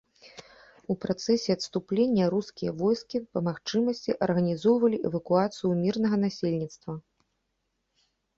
У працэсе адступлення рускія войскі, па магчымасці, арганізоўвалі эвакуацыю мірнага насельніцтва.